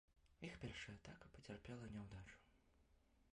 Іх першая атака пацярпела няўдачу.